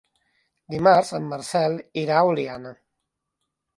Dimarts en Marcel irà a Oliana.